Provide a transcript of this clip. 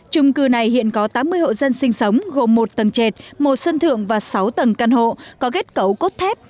trung cư này hiện có tám mươi hộ dân sinh sống gồm một tầng trệt một sân thượng và sáu tầng căn hộ có kết cấu thép